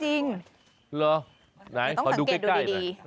เหรอไหนเดี๋ยวต้องสังเกตดูใกล้ได้ช่วยฟังกันดี